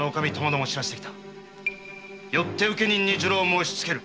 よって請人に入牢申しつける。